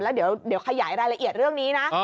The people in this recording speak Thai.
แล้วเดี๋ยวขยายรายละเอียดเรื่องนี้นะ